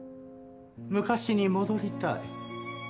昔に戻りたい。